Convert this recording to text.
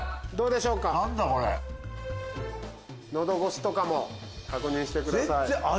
喉越しとかも確認してください。